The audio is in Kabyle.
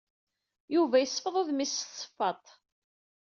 Yuba yesfeḍ udmi-is s tesfaḍt.